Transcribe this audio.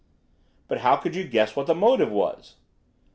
"But how could you guess what the motive was?"